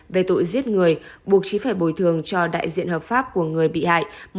về tội giết người buộc trí phải bồi thường cho đại diện hợp pháp của người bị hại